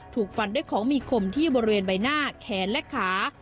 ถูกฟันด้วยของมีคมที่บริเวณใบหน้าแขนและขา